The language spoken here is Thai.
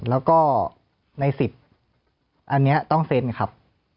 แล้วก็ใน๑๐อันนี้ต้องเซ็นครับ